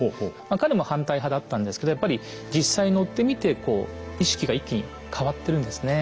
彼も反対派だったんですけどやっぱり実際乗ってみてこう意識が一気に変わってるんですね。